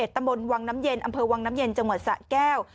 ตำบลวังน้ำเย็นอำเภอวังน้ำเย็นจังหวัดสะแก้ว